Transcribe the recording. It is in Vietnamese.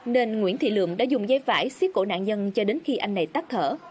nên nguyễn thị lượm đã dùng dây phải xiết cổ nạn nhân cho đến khi anh này tắt thở